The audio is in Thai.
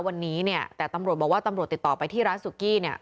วันนี้เนี่ยแต่ตำรวจบอกว่าตำรวจติดต่อไปที่ร้านสุกี้เนี่ย